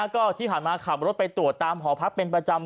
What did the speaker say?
ก็ที่ผ่านมาขับรถไปตรวจตามหอพักเป็นประจำ